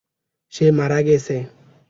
সে মারা গেছে।